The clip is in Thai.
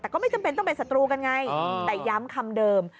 แต่ก็ไม่จำเป็นต้องเป็นศัตรูกันไงแต่ย้ำคำเดิม